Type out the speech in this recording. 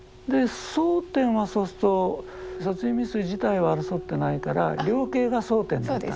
争点はそうすると殺人未遂自体は争ってないから量刑が争点だったんですね。